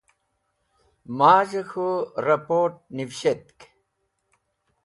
Maz̃hẽ k̃hũ rapot̃ nivishtk.